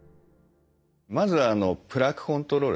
まずはプラークコントロールですね。